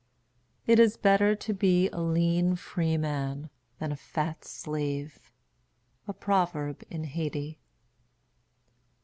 It is better to be a lean freeman than a fat slave. _A Proverb in Hayti.